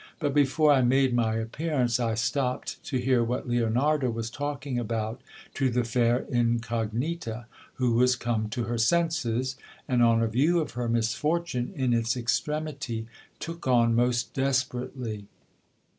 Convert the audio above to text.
But before I made my appearance I stopped to hear what Leonarda was talking about to the fair incognita, who was come to her senses, and, on a view of her misfortune in its extremity, took on most desperately.